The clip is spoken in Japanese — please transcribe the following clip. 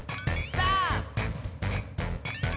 さあ！